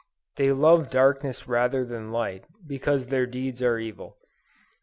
"They love darkness rather than light, because their deeds are evil."